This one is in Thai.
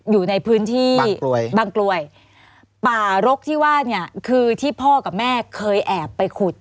อยู่ในพื้นที่บางกลวยป่ารกที่ว่าเนี่ยคือที่พ่อกับแม่เคยแอบไปขุด